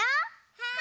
はい！